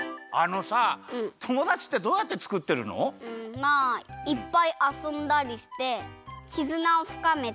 まあいっぱいあそんだりしてきずなをふかめて。